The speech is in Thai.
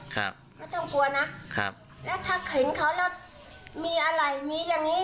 ไม่ต้องกลัวนะครับแล้วถ้าเข็นเขาแล้วมีอะไรมีอย่างงี้